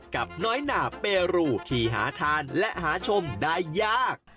กับน้อยหนาเปรูที่หาทานและหาชมได้ยาก